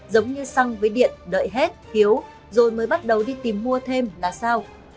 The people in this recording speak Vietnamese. giống như xăng với điện đợi hết hiếu rồi mới bắt đầu đi tìm mua thêm là sao